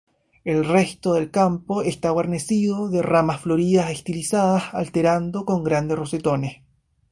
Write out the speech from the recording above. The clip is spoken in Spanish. El resto del campo está guarnecido de ramas floridas estilizadas alternando con grandes rosetones.